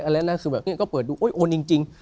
แล้วนี่ก็เปิดดูโอนจริง